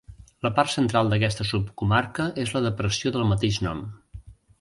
La part central d'aquesta subcomarca és la depressió del mateix nom.